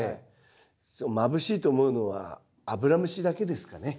それまぶしいと思うのはアブラムシだけですかね。